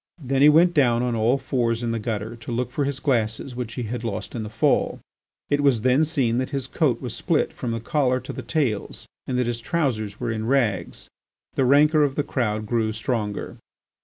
Then he went down on all fours in the gutter to look for his glasses which he had lost in his fall. It was then seen that his coat was split from the collar to the tails and that his trousers were in rags. The rancour of the crowd grew stronger.